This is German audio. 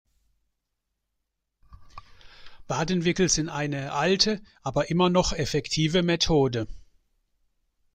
Wadenwickel sind eine alte aber immer noch effektive Methode.